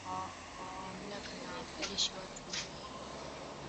wa mamlaka na wawakilishi wa watu wenyewe